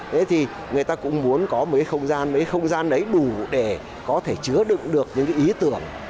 thế thì người ta cũng muốn có mấy không gian đầy đủ để có thể chứa đựng được những ý tưởng